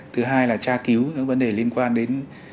thứ hai là tra cứu những vấn đề liên quan đến